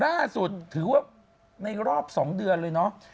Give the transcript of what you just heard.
ล่าสุดถือว่าในรอบ๒เดือนเลยเนาะ